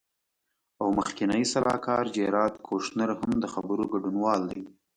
او مخکینی سلاکار جیراد کوشنر هم د خبرو ګډونوال دی.